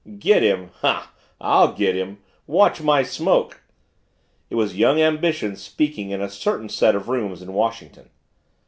"Get him? Huh! I'll get him, watch my smoke!" It was young ambition speaking in a certain set of rooms in Washington.